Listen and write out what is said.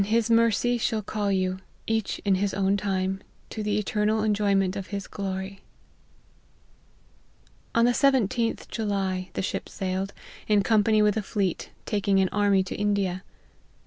51 nis mercy, shall call you, each in his own time, to the eternal enjoyment of his glory." On the 17th July the ship sailed, in company with a fleet, taking an army to India.